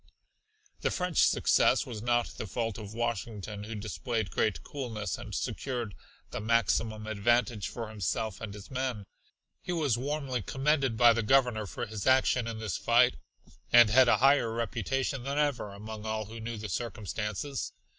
The French success was not the fault of Washington who displayed great coolness and secured the maximum advantage for himself and his men. He was warmly commended by the Governor for his action in this fight and had a higher reputation than ever among all who knew the circumstances.